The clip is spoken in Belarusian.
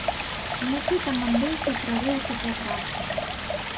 Уначы там адбыўся прарыў цеплатрасы.